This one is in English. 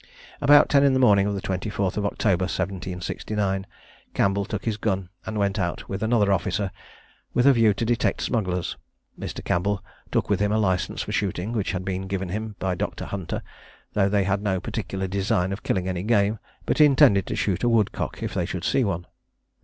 About ten in the morning of the 24th of October 1769, Campbell took his gun, and went out with another officer, with a view to detect smugglers. Mr. Campbell took with him a licence for shooting, which had been given him by Dr. Hunter, though they had no particular design of killing any game, but intended to shoot a woodcock if they should see one.